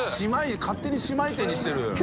佶紂勝手に姉妹店にしてるよ。